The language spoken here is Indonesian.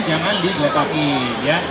jangan di gelap lapin ya